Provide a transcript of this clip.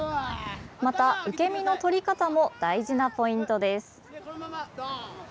また、受け身の取り方も大事なポイントです。